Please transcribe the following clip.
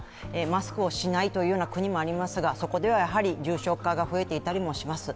マスクをしないというような国もありますが、そこでは重症化が増えていたりします。